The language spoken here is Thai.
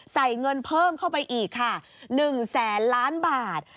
ใส่เงินเพิ่มเข้าไปอีกค่ะ๑แสนล้านบาท